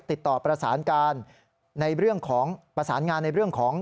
ติดต่อประสานงานในเรื่องของ